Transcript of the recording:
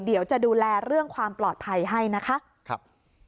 เดี๋ยวจะดูแลเรื่องความปลอดภัยให้นะคะครับ